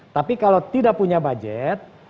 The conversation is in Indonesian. tapi kalau tidak punya budget